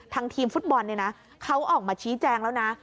ทีมฟุตบอลเนี่ยนะเขาออกมาชี้แจงแล้วนะ